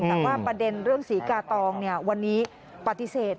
แต่ว่าประเด็นเรื่องศรีกาตองวันนี้ปฏิเสธ